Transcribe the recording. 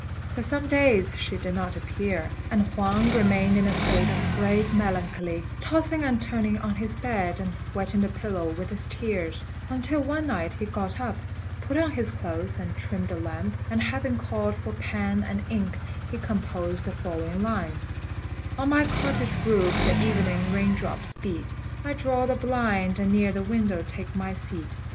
For some days she did not appear; and Huang remained in a state of great melancholy, tossing and turning on his bed and wetting the pillow with his tears, until one night he got up, put on his clothes, and trimmed the lamp; and having called for pen and ink, he composed the following lines: "On my cottage roof the evening raindrops beat; I draw the blind and near the window take my seat.